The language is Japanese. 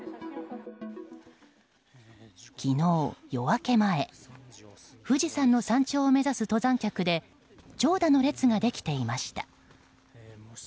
昨日、夜明け前富士山の山頂を目指す登山客で長蛇の列ができていました。